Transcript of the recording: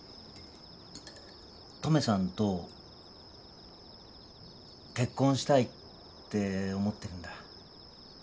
トメさんとけっこんしたいって思ってるんだ。